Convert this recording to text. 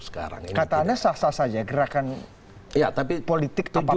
kata anda sah sah saja gerakan politik apapun gitu